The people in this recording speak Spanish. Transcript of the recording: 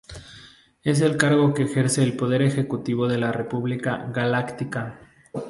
Es el cargo que ejerce el poder ejecutivo de la República Galáctica.